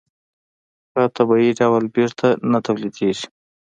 په طبیعي ډول بېرته نه تولیدېږي.